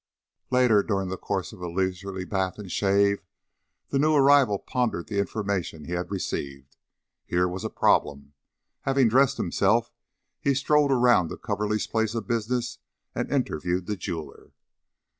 Later, during the course of a leisurely bath and shave, the new arrival pondered the information he had received. Here was a problem. Having dressed himself, he strolled around to Coverly's place of business and interviewed the jeweler.